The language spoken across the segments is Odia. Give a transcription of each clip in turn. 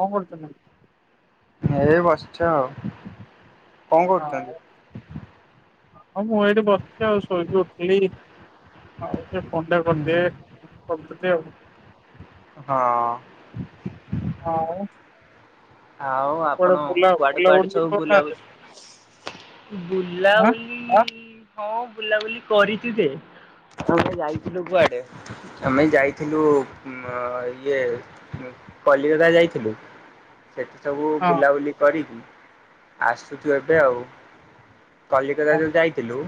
କଣ କରୁଥିଲେ? ଏଇ ବସିଚି ଆଉ କଣ ହଁ କରୁଚନ୍ତି? ହଁ ମୁଁ ଏଇଠି ବସିଚି ଆଉ ଶୋଇକି ଉଠିଲି। ଆଉ ଟିକେ ଫୋନ୍ ଟା କରିଦିଏ କରିଦେଲି ଆଉ। ହଁ ଆଉ ଆଉ କୁଆଡେ ଆପଣ ବୁଲା କୁଆଡେ କୁଆଡେ ବୁଲାବୁଲି ସବୁ କରୁନାହାନ୍ତି? ବୁଲାବୁଲି ଆଁ ବୁଲାବୁଲି ହଁ ବୁଲାବୁଲି କରିଚି ଯେ ଆମେ ଯାଇଥିଲୁ କୁଆଡେ? ଆମେ ଯାଇଥିଲୁ ଇଏ କଲିକତା ଯାଇଥିଲୁ। ସେଠି ସବୁ ହଁ ବୁଲାବୁଲି କରିକି ଆସୁଚୁ ଏବେ ଆଉ। କଲିକତା ଯୋଉ ହଁ ଯାଇଥିଲୁ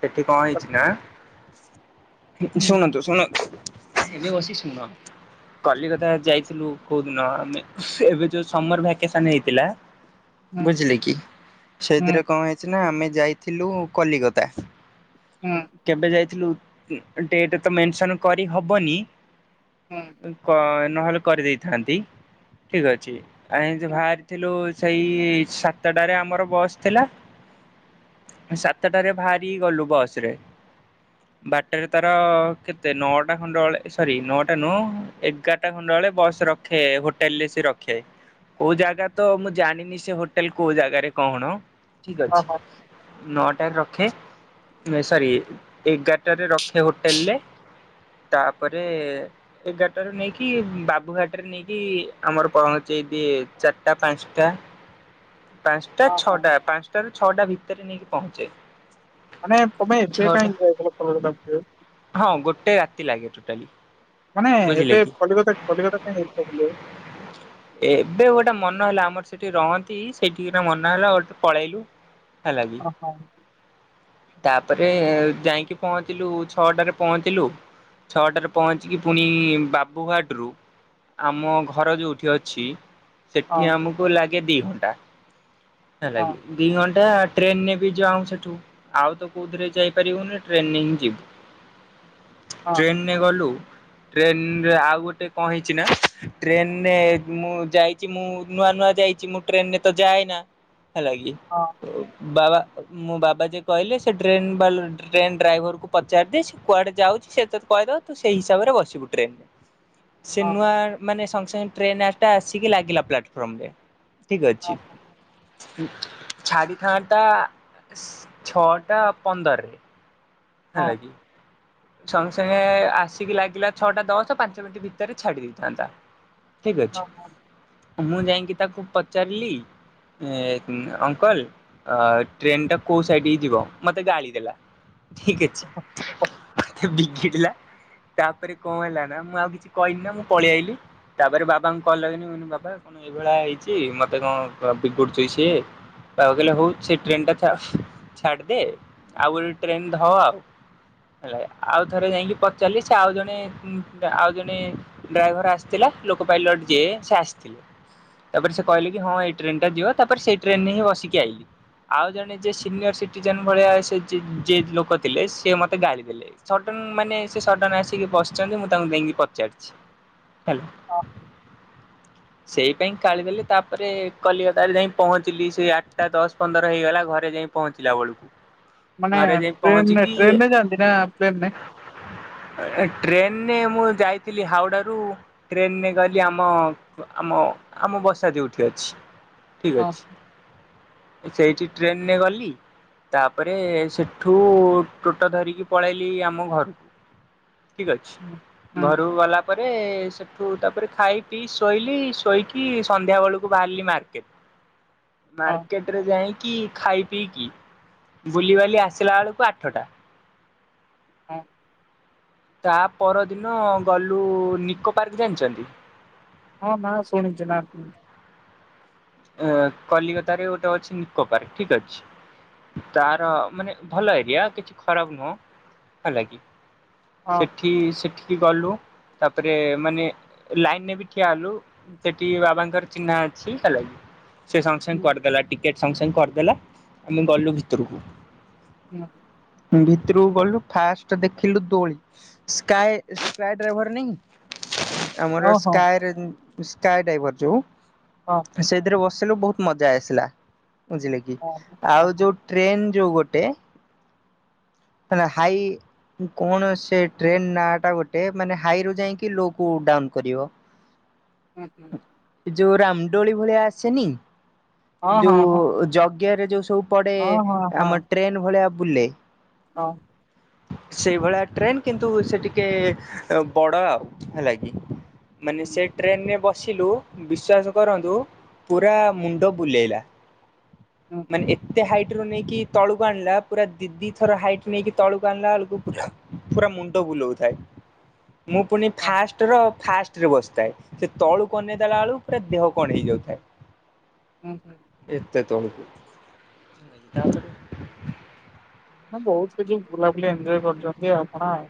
ସେଠି କଣ ହେଇଚିନା ହୁଁ ଶୁଣନ୍ତୁ ଶୁଣନ୍ତୁ। ଏବେ ବସି ଶୁଣ କଲିକତା ଯାଇଥିଲୁ କୋଉଦିନ ଆମେ ଏବେ ଯୋଉ ସମର ଭେକେସନ ହେଇଥିଲା ହୁଁ ବୁଝିଲେ କି ହୁଁ ସେଥିରେ କଣ ହେ ହେଚିନା ଆମେ ଯାଇଥିଲୁ କଲିକତା ହଁ। କେବେ ଯାଇଥିଲୁ ଡେଟ୍ ତ ମେନେସନ୍ କରି ହବନି ହଁ। କ ନହେଲେ କରିଦେଇଥାନ୍ତି ଠିକ୍ ଅଛି ଆମ ହୁଁ ବାହାରିଥିଲୁ ସେଇ ସାତଟାରେ ଆମର ବସ୍ ଥିଲା ସାତଟାରେ ବାହାରି ଗଲୁ ବସ୍ ରେ [inaudible] ବାରଟାରେ ତାର କେତେ ନଅଟା ଖଣ୍ଡଳେ ସରି ନଅଟା ନୁହଁ ଏଗାରଟ ଟାଖଣ୍ଡା ବେଳେ ବସ୍ ରଖେ ହୋଟେଲ୍ ରେ ସେ ରଖେ କୋଉଜାଗାତ ମୁଁ ଜାଣିନି ସେ ହୋଟେଲ୍ କୋଉ ଜାଗାରେ କଣ ଠିକ୍ ଅଛି ଓହୋ ନଅଟାରେ ରଖେ ସରି ଏଗାରଟାରେ ର ସେ ହୋଟେଲ୍ ରେ ତାପରେ ଏଗାଟାରୁ ନେଇକି ବାବୁଘାଟରେ ନେଇକି ଆମର ପହ ଞ୍ଚେକି ଚାରିଟା ପାଞ୍ଚଟା ପାଞ୍ଚଟା ହଁ ହଁ ଛଅଟା ପାଞ୍ଚ ପାଞ୍ଚଟାରୁ ଛଅଟା ଭିତରେ ନେଇକି ପହଞ୍ଚେଇ ଦିଏ। ମାନେ ତମେ ଏତେ ଟାଇମ୍ ଯାଇଥିଲ କଲର୍ ବାଛିବାକୁ? ହଁ ଗୋଟେ ରାତି ଲାଗେ ଟୋଟାଲି। ମାନେ ବୁଝିଲେ ଏବେ କି କଲିକତା କଲିକତା କାଇଁ ଯାଇଥିଲ ବୁଲିବାକୁ? ଏବେ ଗୋଟେ ମନ ହେଲା ଆମର ସେଠି ରହନ୍ତି ସେଇଠିକି ମନେ ହେଲା ଗୋଟେ ପଳେଇଲୁ। ହେଲାକି ଓହୋ ତାପରେ ଯାଇକି ପହଞ୍ଚିଲୁ ଛଅଟାରେ ପହଞ୍ଚିଲୁ ଛଅଟାରେ ପହଞ୍ଚିକି ପୁଣି ବାବୁଘାଟ୍ ରୁ ଆମ ଘର ଯୋଉଠି ଅ ହଁ ସେଠି ଆମକୁ ଲାଗେ ଦି ଘଣ୍ଟା ହଁ ହେଲାକି ଦି ଘଣ୍ଟା ଟ୍ରେନ୍ ରେ ବି ଯାଉଁ ସେଠୁ ଆଉ ତ କୋଉଥିରେ ଯାଇପାରିବୁନି ଟ୍ରେନେରେ ହିଁ ଯିବୁ [inaudible] ଟ୍ରେନରେ ଗଲୁ ଟ୍ରେନରେ ଆଉ ଗୋଟେ କଣ ହେଇଚି ନା ଟ୍ରେନରେ ମୁଁ ଯାଇଚି ମୁଁ ନୂଆ ନୂଆ ଯାଇଚି ମୁଁ ଟ୍ରେନ୍ ରେ ତ ଯାଏନା ହେଲା କି ହଁ। ବାବା ମଁ ବାବା ଯିଏ କହିଲେ ସେ ଟ୍ରେନ୍ ବାଲଟି ଟ୍ରେନ୍ ଡ୍ରାଇଭରକୁ ପଚାରିଦେ ସେ କୁଆଡ଼େ ଯାଉଚି ସେ ତତେ କହିଦେବ ତୁ ସେଇ ହିସାବରେ ବସିବୁ ଟ୍ରେନ୍ ରେ ସେ ହଁ ନୂଆ ମାନେ ସଙ୍ଗେ ସଙ୍ଗେ ଟ୍ରେନ୍ ଟା ଆସିକି ଲାଗିଲା ପ୍ଲାଟଫର୍ମ ରେ ଠିକ୍ ହଁ ଅଛି। ଛାଡ଼ିଥାନ୍ତା ଛଅଟା ପନ୍ଦରରେ ହଁ ହେଲାକିି ସଙ୍ଗେ ସଙ୍ଗେ ଆସିକି ଲାଗିଲା ଛଅଟା ଦଶ ପାଞ୍ଚ ମିନିଟ୍ ଭିତରେ ଛାଡ଼ି ଦେଇଥାନ୍ତା। ଠିକ୍ ହଁ ଅଛି ମୁଁ ଯାଇକି ତାକୁ ପଚାରିଲି। ଏ ଅଙ୍କଲ ଅ ଟ୍ରେନ୍ ଟା କୋଉ ସାଇଟ୍ କି ଯିବ ମତେ ଗାଳି ଦେଲା ଠିକ୍ ଅଛି। ସେ ଭିକିଥିଲା ତାପରେ କଣ ହେଲା ନା ମୁଁ ଆଉ କିଛି କହିଲିନି ମୁଁ ପଳେଇଆଇଲି। ତାପରେ ବାବାଙ୍କୁ କଲ୍ ଲଗେଇଲି ମୁକଇନି ବାବା କଣ ଏଇଭଳିଆ ହେଇଚି ମତେ କଣ ବିଗୁଡୁଚି ସିଏ ବାବା କହିଲେ ହୋଉ ସେ ଟ୍ରେନେଟା ଥାଉ ଛାଡ଼ିଦେ ଆଉ ଗୋଟେ ଟ୍ରେନ୍ ଧ ଆଉ। ହେଲା ଆଉ ଥରେ ଯାଇକି ପଚାରିଲି ସେ ଆଉ ଜଣେ ଆଉ ଜଣେ ଡ୍ରାଇଭର ଆସିଥିଲା ଲୋକ ପାଇଲଟ ଯିଏ ସେ ଆସିଥିଲେ। ତାପରେ ସେ କହିଲେ କି ହଁ ଏଇ ଟ୍ରେନ ଟା ଯିବ ତାପରେ ସେଇ ଟ୍ରେନ ରେ ହିଁ ବସିକି ଆଇଲି। ଆଉ ଜଣେ ଯିଏ ସିନିୟର ସିଟିଜେନ୍ ଭଳିଆ ସେ ଯିଏ ଲୋକ ଥିଲେ ସିଏ ମତେ ଗାଳିଦେଲେ। ସଡ଼ନ୍ ମାନେ ସେ ସଡ଼ନ୍ ଆସିକି ବସିଛନ୍ତି ମୁଁ ତାଙ୍କୁ ଯାଇକି ପଚାରିଛି ହେଲା। ହଁ। ସେଇ ପାଇଁ ଗାଳିଦେଲେ ତାପରେ କଲିକତାରେ ଯାଇ ପହଞ୍ଚିଲି ସେ ଆଠଟା ଦଶ ପନ୍ଦର ହେଇଗଲା ଘରେ ଯାଇ ପହଞ୍ଚିଲା ବେଳକୁ। ମାନେ ଘରେ ଯାଇ ଟ୍ରେନ ପହଞ୍ଚିକି ଟ୍ରେନରେ ଯାଆନ୍ତି ନା ପ୍ଲେନରେ। ଟ୍ରେନରେ ମୁଁ ଯାଇଥିଲି ହାଉଡାରୁ ଟ୍ରେନରେ ଗଲି ଆମ ଆମ ଆମ ବସା ଯୋଉଠି ଅଛି। ଠିକ୍ ହଁ ଅଛି ସେଇଠି ଟ୍ରେନରେ ଗଲି। ତାପରେ ସେଠୁ ଟୋଟ ଧରିକି ପଳେଇଲି ଆମ ଘରକୁ ଠିକ୍ ହୁଁ ଅଛି ହୁଁ ଘରକୁ ଗଲା ତା ପରେ ସେଠୁ ତାପରେ ଖାଇ ପିଇ ଶୋଇଲି ଶୋଇକି ସନ୍ଧ୍ୟା ବେଳକୁ ବାହାରିଲି ମାର୍କେଟ। [inaudible] ହଁ ମାର୍କେଟ ରେ ଯାଇକି ଖାଇ ପିଇକି ବୁଲିବାଲି ଆସିଲା ବେଳକୁ ଆଠଟା। ହଁ। ତା ପରଦିନ ଗଲୁ ନିକୋ ପାର୍କ ଜାଣିଛନ୍ତି? ହଁ ନା ଶୁଣିଛି ନା। ଅ କଲିକତା ରେ ଗୋଟେ ଅଛି ନିକୋପାର୍କ ଠିକ୍ ଅଛି। ତାର ମାନେ ଭଲ ଏରିଆ କିଛି ଖରାପ ନୁହଁ ହେଲା କିି। ସେଠି ସେଠିକି ଗଲୁ ତାପରେ ମାନେ ଲାଇନ୍ ରେ ବି ଠିଆ ହେଲୁ। ସେଠି ବାବାଙ୍କର ଚିହ୍ନା ଅଛି ହେଲାକି। ସେ ସଙ୍ଗେ ସଙ୍ଗେ କରିଦେଲା ଟିକେଟ ସାଙ୍ଗେ ସାଙ୍ଗେ କରିଦେଲା ଆମେ ଗଲୁ ଭିତରକୁ। ହଁ। ଭିତରୁକୁ ଗଲୁ ଫାଷ୍ଟ ଦେଖିଲୁ ଦୋଳି। ସ୍କାଏ ସ୍କାଏ ଡ୍ରାଇଭର ନାହିଁ। ଓ ଆମର ହୋ ହଁ ସ୍କାଏ ସ୍କାଏ ଡାଇଭର ଯୋଉ ସେ ରେ ବସିଲୁ ବହୁତ୍ ମଜା ଆସିଲା ବୁଝିଲେ କି ହଁ ହଁ ଆଉ ହଁ। ଯୋଉ ଟ୍ରେନ ଯୋଉ ଗୋଟେ ହେଲା ହାଇ କଣ ସେ ଟ୍ରେନ୍ ନା ଟା ଗୋଟେ ମାନେ ହାଇ ରୁ ଯାଇକି ଲୋ କୁ ଡାଉନୁ କରିବ। ହୁଁ ହୁଁ। ଯୋଉ ରାମଡୋଳି ଭଳିଆ ଆସେନି ହଁ ହଁ ହଁ ହଁ ଯୋଉ ଯଜ୍ଞରେ ଯୋଉ ସବୁ ପଡେ ହଁ ହଁ ହଁ। ଆମର ଟ୍ରେନ୍ ଭଳିଆ ବୁଲେ। ହଁ। ସେଇଭଳିଆ ଟ୍ରେନ୍ କିନ୍ତୁ ସେ ଟିକେ ବଡ଼ ଆଉ ହେଲାକି। ମାନେ ସେ ଟ୍ରେନରେ ବସିଲୁ ବିଶ୍ୱାସ କରନ୍ତୁ। ପୁରା ମୁଣ୍ଡ ବୁଲେଇଲା ହୁଁ ମାନେ ଏତେ ହାଇଟ ର ନେଇକି ତଳକୁ ଆଣିଲା ପୁର ଦି ଦି ଥର ହାଇଟ୍ ନେଇକି ତଳକୁ ଆଣିଲା ଏଳକୁ ପୁରା ପୁରା ମୁଣ୍ଡ ବୁଲଉଥାଏ। [inaudible] ମୁଁ ପୁଣି ଫାଷ୍ଟ ର ଫାଷ୍ଟ ରେ ବସିଥାଏ ସେ ତଳୁକୁ ଅନେଇ ଦେଲା ବେଳକୁ ପୁରା ଦେହ କଣ ହେଇଯାଉଥାଏ। ହଁ ହଁ। ଏତେ ତଳକୁ ତାପରେ ନା ବହୁତ କିଛି ବୁଲାବୁଲି ଏଞ୍ଜୟ କରିୁଛନ୍ତି ଆପଣ ଆଉ।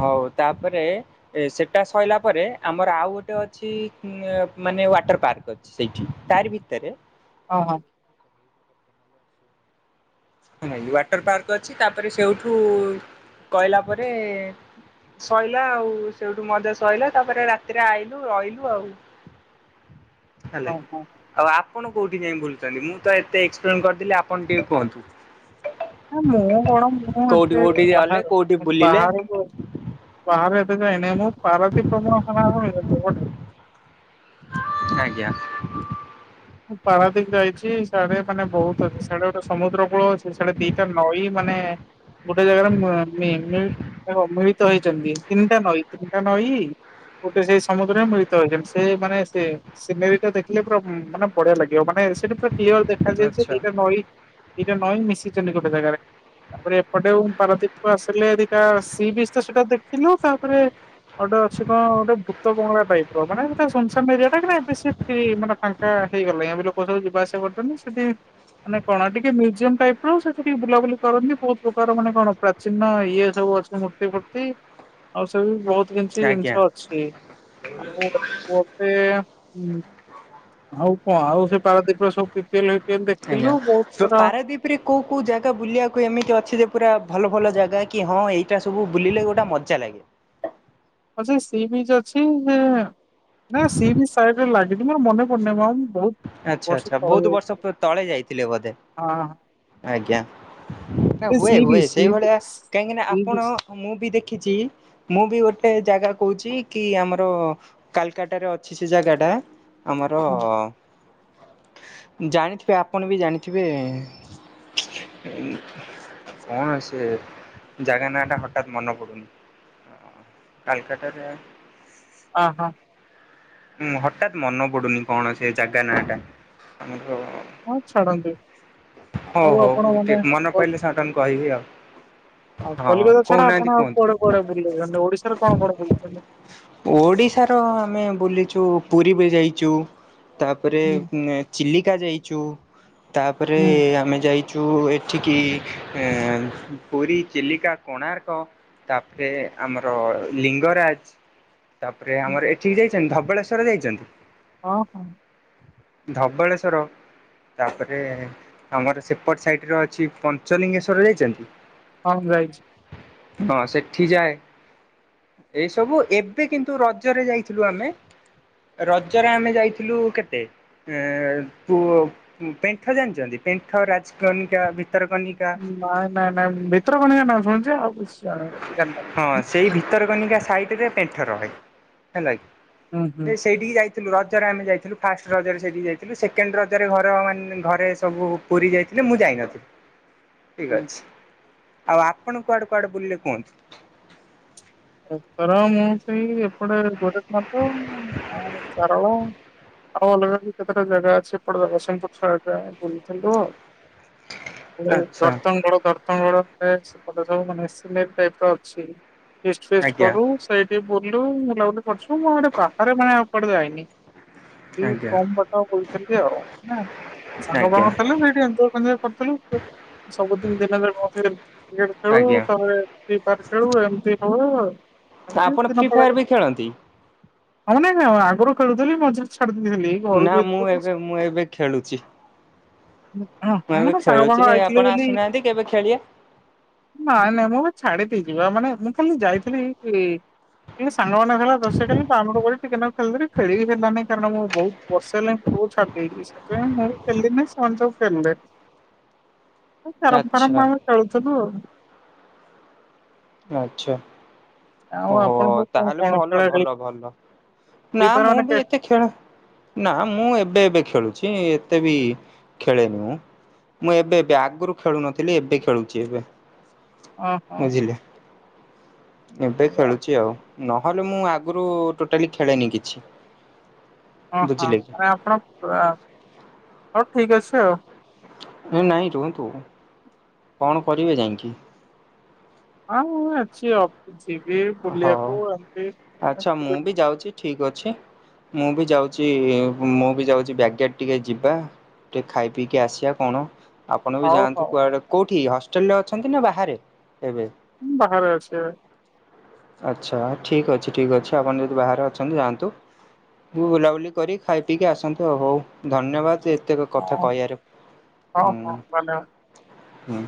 ହଉ ତାପରେ ଏ ସେଟା ସଇଲା ପରେ ଆମର ଆଉ ଗୋଟେ ଅଛି ମାନେ ୱାଟର ପାର୍କ ଅଛି। ସେଇଠି ତାରି ଭିତରେ। ଅ ହଁ। [inaudible] ୱାଟର ପାର୍କ ଅଛି ତାପରେ ସେଇଠୁ କହିଲା ପରେ ଶଇଲା ଆଉ ସେଇଠୁ ମଜା ସଇଲା ତାପରେ ରାତିରେ ଆଇଲୁ ରହିଲୁ ଆଉ। [unintelligible] ହେଲା ହଁ କିି ହଁ। ଆଉ ଆପଣ କୋଉଠି ଯାଇକି ବୁଲୁଛନ୍ତି ମୁଁ ତ ଏତେ ଏକ୍ସପ୍ଲେନ କରିଦେିଲି ଆପଣ ଟିକେ କୁହନ୍ତୁ। ନା ମୁଁ କଣ ମୁଁ କୋଉଠି ଏତ କୋଉଠି ଗଲେ ବାହାର କୋଉଠି ବୁଲିଲେ ବାହାରକୁ ବାହାରେ ଏତେ ଯାଇନି ମୁଁ ପାରାଦ୍ଵୀପ [unintelligible] ଆଜ୍ଞା। ମୁଁ ପାରାଦୀପ ଯାଇଛି ସେଡେ ମାନେ ବହୁତ ଅଛି ସେଡେ ଗୋଟେ ସମୁଦ୍ର କୂଳ ଅଛି ସେଡେ ଦିଟା ନଈ ମାନେ ଗୋଟେ ଜାଗାରେ ମ ମି ମିଳି ଦେଖ ମିଳିତ ହେଇଛନ୍ତି ତିନିଟା ନଈ ତିନିଟା ନଈ ଗୋଟେ ସେଇ ସମୁଦ୍ରରେ ମିଳିତ ହେଇଚନ୍ତି ସେ ମାନେ ସେ ସିନେରୀ ଟା ଦେଖିଲେ ପୁରା ଉ ମାନେ ବଢିଆ ଲାଗିବ ମାନେ ସେଇଟି ପୁରା କ୍ଲିୟର ଦେଖାଯାଏ ଯେ ଆଚ୍ଛା ଦିଟା ନଈ ଦିଟା ନଈଁ ମିଶିଛନ୍ତି ଗୋଟେ ଜାଗାରେ। ତାପରେ ଏପଟେ ଉ ପାରଦ୍ୱୀପକୁ ଆସିଲେ ଦିଟା ସି ବିଚ ତ ସେଟା ଦେଖିଲୁ ତାପରେ ଗୋଟେ ଅଛି କଣ ଗୋଟେ ଭୂତ ବଙ୍ଗଳା ଟାଇପ ର ମାନେ ହେଟା ସୂନସାନ ଏରିଆ ଟା କିନ୍ତୁ ନା ଏ ବେସି ମାନେ ଫାଙ୍କା ହେଇଗଲାଣି ଏମିତି ଲୋକ ଅଛନ୍ତି ଯିବା ଆସିବା କରୁଛନ୍ତି ସେଠି ମାନେ କଣ ଟିକେ ମ୍ୟୁଜିୟମ ଟାଇପ ରୁ ସେଠ ଟିକେ ବୁଲାବୁଲି କରନ୍ତି ବହୁ ପ୍ରକାର ମାନେ କଣ ପ୍ରା ଚିହ୍ନ ଇଏ ସବୁ ଅଛି ମୂର୍ତ୍ତି ଫୁର୍ତ୍ତି ଆଉ ସବ ବହୁତ କିଛି ଆଜ୍ଞା। ଜିନିଷ ଅଛି ଆଉ ଅ ଗୋଟେ ଆଉ କଣ ଆଉ ସେ ପାଳଦ୍ୱୀପରେ ସବୁ P P L fee P L ଦେଖିଲୁ ବହୁତ ସାରା ସେପରି କୋଉ କୋଉ ଜାଗା ବୁଲିବାକୁ ଏମିତି ଅଛି ଯେ ପୁରା ଭଲ ଭଲ ଜାଗା କି ହଁ ଏଇଟା ସବୁ ବୁଲିଲେ ଗୋଟେ ମଜା ଲାଗେ। ଆ ସେ ସି ବିଚ ଅଛି ସେ ନା ସି ବିଚ ସାଇଡରେ ଲାଗିଛି ମୋର ମନେ ପଡୁନି ମ ବହୁତ ଆଚ୍ଛା ବର୍ଷ ଆଚ୍ଛା ତଳେ ବହୁତ ବର୍ଷ ଯାଇଥିଲି ପ ତଳେ ଯାଇଥିଲେ ବୋଧେ ହଁ ଆଜ୍ଞା। ନା ହଁ ସେ ହୁଏ ସି ବିଚ୍ ହୁଏ ସି ସେଇଭଳିଆ ବିଚ୍ କାହିଁକି ନା ସି ଆପଣ ବିଚ୍ ମୁଁ ବି ଦେଖିଛି ମୁଁ ବି ଗୋଟେ ଜାଗା କହୁଛି କି ଆମର କାଲକାଟାରେ ଅଛି ସେ ଜାଗା ଟା। ଆମର ହଁ ଜାଣିଥିବେ ଆପଣ ବି ଜାଣିଥିବେ କଣ ସେ ଜାଗା ନା ଟା ହଠାତ୍ ମନେ ପଡୁନି। କାଲକାଟାରେ ଅ ହଁ। ହୁଁ ହଠାତ ମନେ ପଡୁନି କଣ ସେ ଜାଗା ନାଁ ଟା ଆମର ହଁ ଛାଡନ୍ତୁ ହଉ ଆଉ ହଉ ଆପଣ ମାନେ ମନେ କଲ- ପଇଲେ ସାଟନ୍ କହିବି ଆଉ। ଆଉ ହଁ କଲିକତା ଛଡା କହୁନାହାନ୍ତି ଆପଣ ଆଉ କୁହନ୍ତୁ। କୁଆଡେ କୁଆଡେ ବୁଲେଛନ୍ତି ଓଡିଶାରେ କଣ କଣ ବୁଲିଛନ୍ତି। ଓଡିଶାର ଆମେ ବୁଲିଛୁ ପୁରୀ ବି ଯାଇଛୁ। ତାପରେ ହୁଁ ଉଁମଁ ଚିଲିକା ଯାଇଛୁ। ତାପରେ ହୁଁ ଆମେ ଯାଇ ଯଉଁ ଏଠିଁକି ଏଁ ପୁରୀ ଚିଲିକା କୋଣାର୍କ ତାପରେ ଆମର ଲିଙ୍ଗରାଜ ତାପରେ ଆମର ହୁଁ ଏଠିଁକି ଯାଇଛନ୍ତି ଧବଳେଶ୍ଵର ଯାଇଛନ୍ତି। ଓ ହୋ ଧବଳେଶ୍ଵର ତାପରେ ଆମର ସେପଟ ସାଇଟିରେ ଅଛି ପଞ୍ଚଲିଙ୍ଗେଶ୍ଵର ଯାଇଛନ୍ତି? ହଁ ମୁଁ ଯାଇଛି। ହଁ ସେଠିଁ ଯାଏ। ଏହିସବୁ ଏବେ କିନ୍ତୁ ରଜରେ ଯାଇଥିଲୁ ଆମେ ରଜରେ ଆମେ ଯାଇଥିଲୁ କେତେ? ଏଁ ପୁଂ ପେଣ୍ଠ ଜାଣିଛନ୍ତି। ପେଣ୍ଠ ରାଜକନିକା ଭିତରକନିକା ନାଇଁ ନାଇଁ ନାଇଁ ଭିତରକନିକା ନାଇଁ କଣ ଯେ ଆଉଁ କିଛି ଜାଣେନା। ଜାଣିନ? ହଁ ଉଁ ସେଇ ହେଁ ହେଁ ଭିତରକନିକା ସାଇଟ ରେ ପେଣ୍ଠ ରହେ ହେଲା କି ହୁଁ ହୁଁ। ସେଇଠିକି ଯାଇଥିଲୁ ରଜରେ ଆମେ ଯାଇଥିଲୁ ଫାଷ୍ଟ ରଜରେ ସେଇଠିକି ଯାଇଥିଲୁ। ସେକେଣ୍ଡ ରଜରେ ଘର ମାନେ ଘରେ ସବୁ ପୁରୀ ଯାଇଥିଲେ ମୁଁ ଯାଇନଥିଲି। [unintelligible] ଠିଁକ ଅଛି। ଆଉ ଆପଣ କୁଆଡେ କୁଆଡେ ବୁଲିଲେ କୁହନ୍ତୁ? ଏଥର ମୁଁ ସେଇ ଏପଡେ ଗୋଟିଏ ପାଦ ଆଉଁ କାରଣ ଆଉ ଅଲଗା କେତେଟା ଜାଗା ଅଛି ଏପଟେର ଦେଖ ସେଇପଟର ଆଗା ବୁଲୁଥିବ ତାପରେ ଆଚ୍ଛା ଧର୍ତଣଗଡ ଧର୍ତଣଗଡ ପ୍ରାୟ ସେପଟରେ ସବୁ ମାନେ ଭେସିଲେଟ ଟାଇପ ର ଅଛି। ଫିଷ୍ଟି ଫିଷ୍ଟି ଆଜ୍ଞା କରୁ ସେଇଠି ବୁଲୁ ବୁଲାବୁଲି କରୁଛୁ। ମୁଁ ହେଡେ ବାହାରେ ମାନେ କୁଆଡେ ଯାଇନି। ଏଇ ଆଜ୍ଞା ପମ୍ପ ପାଖ ବୁଲୁଥିଲି ଆଉ। ନାଁ ସାଙ୍ଗ ଆଜ୍ଞା ବଣ ରେ ଥିଲେ। ଏଇଠି ଏନଜୟ ଫେଜୟେ କରିଥିଲୁ। ସବୁଦିନ ଦିନ ଯାକ ଖେଳି କ୍ରିକେଟ ଖେଳୁ ଆଜ୍ଞା। ତାପରେ ଫ୍ରିଫାୟାର ଖେଳୁ ଏମିତି ହଉ ଏମିତି ଆପଣ ଫ୍ରି ଦିନ ଫାୟାର ପଳାଏ ବି ଖେଳନ୍ତି ହଉ ନାଁ କଣ ଆଗରୁ ଖେଳୁଥିଲି ମଝିରେ ଛାଡି ଦେଇଥିଲି। ଘରକୁ ନାଁ ମୁଁ ଯାଇଥିଲି ଏବେ ବୋଲି ମୁଁ ଏବେ ଖେଳୁଛି। ହଁ ମୁଁ ହଁ ଏବେ ମଁନା ସାଙ୍ଗ ଖେଳୁଛି ଫାଙ୍ଗ ଆଇଥିଲେ ଆପଣ ବୋଲି ଆସୁନାହାନ୍ତି କେବେ ଖେଳିବା ନାଇଁ ନାଇଁ ମୁଁ ଛାଡି ଦେଇକି ଯିବା ମାନେ ମୁଁ ଖାଲି ଯାଇଥିଲି ଏ ସାଙ୍ଗ ମାନେ ହେଥିଲେ ତ ସେଇ ଆମକୁ କଣ ଟିକେ ଖେଳି ଦେଲି ଖେଳିବି ହେଲାନି କାରଣ ମୋ ବଉ ବର୍ଷ ହେଲାଣିି ଫୁଟବଲ ଛାଡି ଦେଇଛି ସେଥିପାଇଁ ମୁଁ ବି ଖେଳିଲିନି ସେମାନେ ସବୁ ଖେଳିଲେ। ଏ ପରମ୍ପରା ଆଚ୍ଛା ଆମେ ଚଳୁଥୁଲୁ ଆଉଁ। ଆଚ୍ଛା। ଆଉ ଓ ହୋ। ଆପଣ ସବୁ କଣ ତାହେଲେ କଣ ଭଲ ଖେଳା ଖେଳି ଭଲ ଭଲ। ଫ୍ରି ନାଁ ଫାୟାର ମୁଁ ମାନେ କେ ବି ଏତେ ଖେଳ। ନାଁ ମୁଁ ଏବେ ଏବେ ଖେଳୁଛି ଏତେ ବି ଖେଳେନି ମୁଁ। ମୁଁ ଏବେ ଏବେ ଆଗରୁ ଖେଳୁନଥିଲି। ଏବେ ଖେଳୁଛି ଏବେ ଓ ହୋ। ବୁଝିଲେ ଏବେ ଖେଳୁଛି ଆଉ ନହେଲେ ମୁଁ ଆଗରୁ ଟୋଟାଲି ଖେଳେନି କିଛି। ଓଁ ବୁଝିଲେ କି ହଁ ଆପଣ ପ ଆଁ ହଉ ଠିକ ଅଛି ଆଉ। ଏ ନାଇଁ ରୁହନ୍ତୁ। କଣ କରିବେ ଯାଇକି? ହଁ ମୁଁ ଅଛି। ଅଫିସି ଯିବି ହଉ ବୁଲିବାକୁ ଏମିତି ଆଁ ବୋଲି ଠିକ ଅଛି ମୁଁ ବି ଯାଉଛି ମୁଁ ବି ଯାଉଛି ବ୍ୟାଗଗେଟ ଟିକେ ଯିବା। ଟିକେ ଖାଇ ପିଇକି ଆସିବା କଣ? ଆପଣ ବି ହଉ ଯାଆନ୍ତୁ ହଉ କୁଆେ କୋଉଠି ହଷ୍ଟେଲ ରେ ଅଛନ୍ତି ନା ବାହାରେ ଏବେ? ମୁଁ ବାହାରେ ଅଛ। ଆଚ୍ଛା ଠିକ୍ ଅଛି ଠିକ ଅଛି ଆପଣ ଯଦି ବାହାରେ ଅଛନ୍ତି ଯାଆନ୍ତୁ। ମୁ ବୁଲାବୁଲି କରି ଖାଇ ପିକି ଆସନ୍ତୁ ଆଉ ହଉ ଧନ୍ୟବାଦ ଏ ତେକ ହଁ କଥା କହିଆରୁ ହଁ ହଁ ହୁଁ ଧନ୍ୟବାଦ। ହୁଁ।